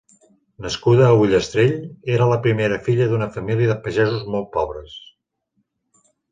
Nascuda a Ullastrell, era la primera filla d'una família de pagesos molt pobres.